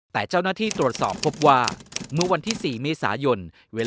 แต่เจ้าหน้าที่ตรวจสอบพบว่าเมื่อวันที่๔เมษายน